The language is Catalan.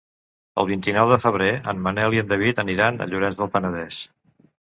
El vint-i-nou de febrer en Manel i en David aniran a Llorenç del Penedès.